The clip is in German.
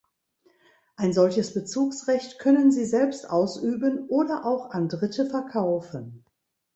Ein solches Bezugsrecht können sie selbst ausüben oder auch an Dritte verkaufen.